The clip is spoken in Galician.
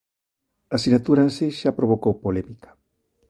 A sinatura en si xa provocou polémica.